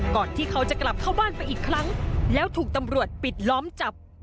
ที่เขาจะกลับเข้าบ้านไปอีกครั้งแล้วถูกตำรวจปิดล้อมจับ